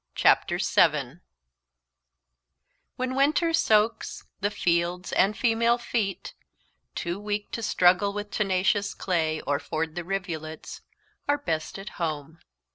CHAPTER VII "When winter soaks the fields, and female feet Too weak to struggle with tenacious clay, Or ford the rivulets are best at home."